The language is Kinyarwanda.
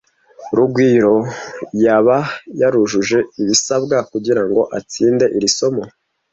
Rugwiro yaba yarujuje ibisabwa kugirango atsinde iri somo?